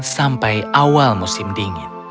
sampai awal musim dingin